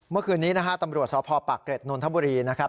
เมื่อคืนนี้นะฮะตำรวจสพปากเกร็ดนนทบุรีนะครับ